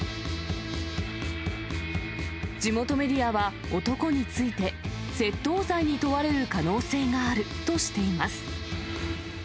地元メディアは男について、窃盗罪に問われる可能性があるとしています。